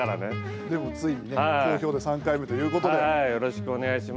でも、ついにね好評で３回目ということで。